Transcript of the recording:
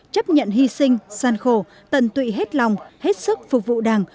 chấp nhận hy sinh gian khổ tận tụy hết lòng hết sức phục vụ đảng